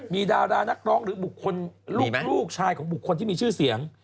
มีดารานักร้องหรือบุคคลลูกชายของบุคคลที่มีชื่อเสียง